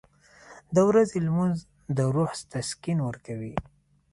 • د ورځې لمونځ د روح تسکین ورکوي.